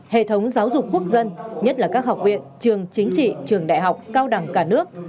hệ thống giáo dục quốc dân nhất là các học viện trường chính trị trường đại học cao đẳng cả nước